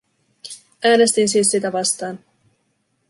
Äänestin siis sitä vastaan.